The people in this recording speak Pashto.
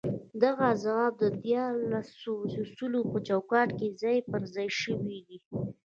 دغه ځواب د ديارلسو اصولو په چوکاټ کې ځای پر ځای شوی دی.